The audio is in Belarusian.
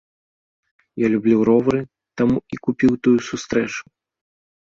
Я люблю ровары, таму і купіў тую сустрэчу.